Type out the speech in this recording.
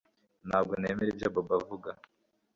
Ntabwo nemera ibyo Bobo avuga